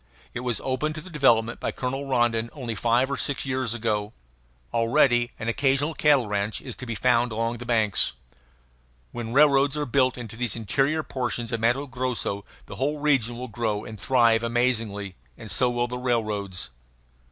It was opened to development by Colonel Rondon only five or six years ago. Already an occasional cattle ranch is to be found along the banks. When railroads are built into these interior portions of Matto Grosso the whole region will grow and thrive amazingly and so will the railroads.